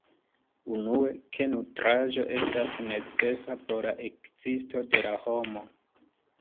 Unue, ke nutraĵo estas necesa por la ekzisto de la homo.